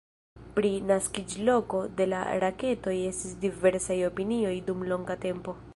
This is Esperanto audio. Pri naskiĝloko de la raketoj estis diversaj opinioj dum longa tempo.